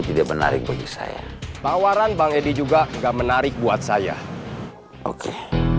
tidak menarik bagi saya tawaran bang edi juga enggak menarik buat saya oke